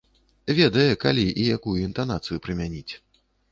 Ведае, калі і якую інтанацыю прымяніць.